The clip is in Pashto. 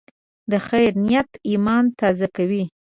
د خیر نیت ایمان تازه کوي.